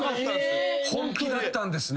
本気だったんですね。